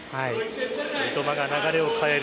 三笘が流れを変える。